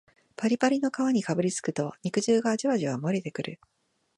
パリパリの皮にかぶりつくと肉汁がジュワジュワもれてくる